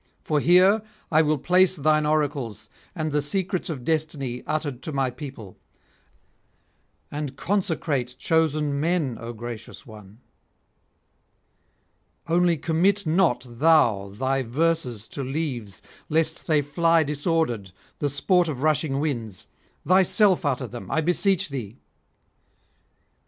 For here will I place thine oracles and the secrets of destiny uttered to my people, and consecrate chosen men, O gracious one. Only commit not thou thy verses to leaves, lest they fly disordered, the sport of rushing winds; thyself utter them, I beseech thee.'